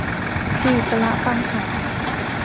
ขื่อกะละปังหา